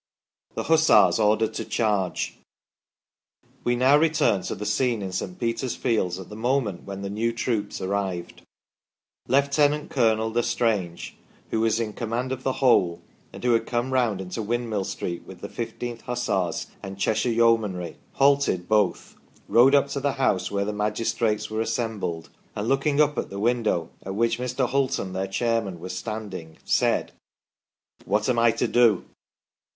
THE HUSSARS ORDERED TO CHARGE. We now return to the scene in St. Peter's fields at the moment when the new troops arrived. Lieut Colonel L' Estrange, who was in command of the whole, and who had come round into Windmill Street with the 1 5th Hussars and the Cheshire Yeomanry, halted both, rode up to the house where the magistrates were assembled, and, look ing up at the window at which Mr. Hulton (their chairman) was standing, said :" What am I to do